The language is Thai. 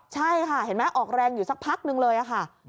ใช่ค่ะเห็นไหมออกแรงอยู่สักพักนึงเลยค่ะ